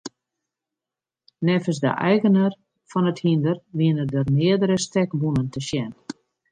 Neffens de eigener fan it hynder wiene der meardere stekwûnen te sjen.